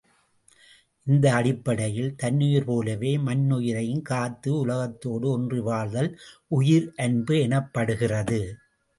இந்த அடிப்படையில், தன்னுயிர் போலவே மன்னுயிரையும் காத்து உலகத்தோடு ஒன்றி வாழ்தல் உயிர் அன்பு எனப்படுகிறது.